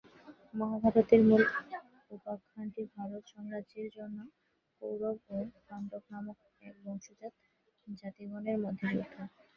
মহাভারতের মূল উপাখ্যানটি ভারত-সাম্রাজ্যের জন্য কৌরব ও পাণ্ডব নামক একবংশজাত জ্ঞাতিগণের মধ্যে যুদ্ধ।